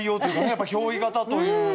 やっぱり憑依型という。